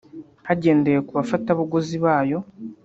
hagendewe ku bafatabuguzi bayo